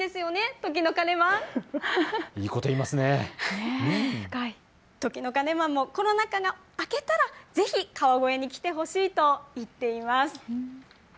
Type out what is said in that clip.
時の鐘マンもコロナ禍が明けたらぜひ川越に来てほしいと言っています。